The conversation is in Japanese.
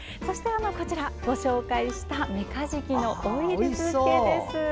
こちら、ご紹介したメカジキのオイル漬けです。